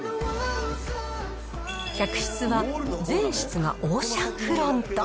客室は全室がオーシャンフロント。